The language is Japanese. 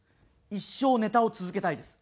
「一生ネタを続けたいです」。